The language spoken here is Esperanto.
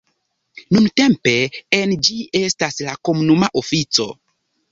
Nuntempe en ĝi estas la komunuma ofico.